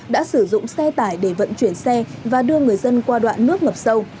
đã sử dụng xe tải để vận chuyển xe và đưa người dân qua đoạn nước ngập sâu